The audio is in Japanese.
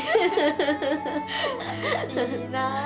いいなあ